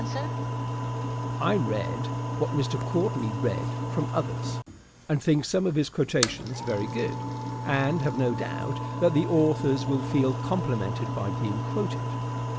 Answer. I read what Mr. Courtney read from others, and think some of his quotations very good; and have no doubt that the authors will feel complimented by being quoted.